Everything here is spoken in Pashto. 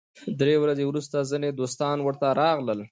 درې ورځې وروسته ځینې دوستان ورته راغلل.